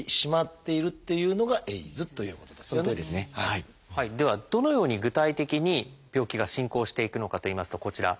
ではどのように具体的に病気が進行していくのかといいますとこちら。